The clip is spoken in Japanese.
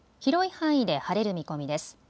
広い範囲で晴れる見込みです。